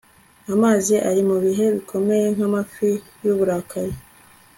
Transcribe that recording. Amazi ari mubihe bikomeye nkamafi yuburakari